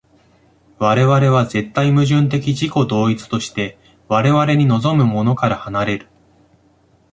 我々は絶対矛盾的自己同一として我々に臨むものから離れる。